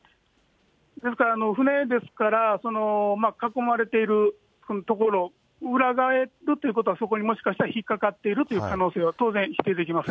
ですから、舟ですから、囲まれている所、裏返すということは、そこにもしかしたら、引っ掛かっているという可能性、当然否定できません。